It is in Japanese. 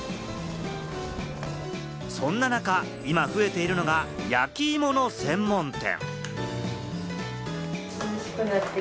そんな中、今、増えているのが焼き芋の専門店。